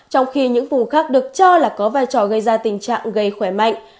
trong khi những vùng khác được cho là có vai trò gây ra tình trạng gây khỏe mạnh